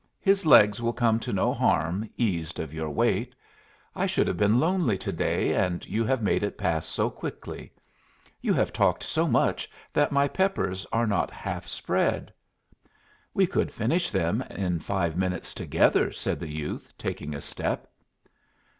His legs will come to no harm, eased of your weight. I should have been lonely to day, and you have made it pass so quickly. You have talked so much that my peppers are not half spread." "We could finish them in five minutes together," said the youth, taking a step.